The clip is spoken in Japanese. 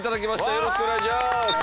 よろしくお願いします